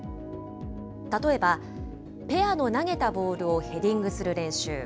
例えば、ペアの投げたボールをヘディングする練習。